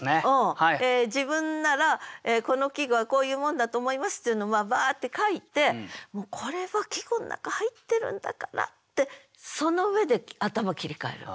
自分ならこの季語はこういうもんだと思いますっていうのをバーッて書いてもうこれは季語の中入ってるんだからってその上で頭切り替える。